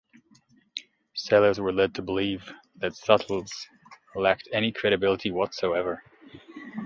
Sellers were led to believe that Suttles lacked any credibility whatsoever.